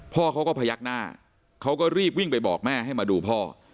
พ่อเขาก็พยักหน้าเขาก็รีบวิ่งไปบอกแม่ให้มาดูพ่อ